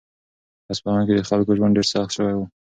په اصفهان کې د خلکو ژوند ډېر سخت شوی و.